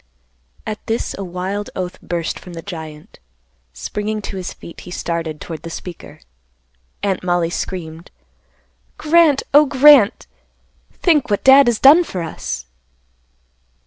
At this a wild oath burst from the giant. Springing to his feet, he started toward the speaker. Aunt Mollie screamed, "Grant, oh Grant! Think what Dad has done for us."